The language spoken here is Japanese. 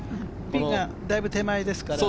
ピンがだいぶ手前ですから。